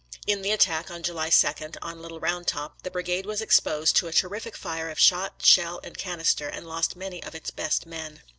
In the attack, on July 2, on Little Round Top the brigade was exposed to a terrific fire of shot, shell, and canister, and lost many of its best men.